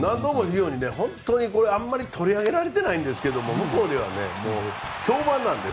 何度も言うように、あまり取り上げられてないんですが向こうでは評判なんです。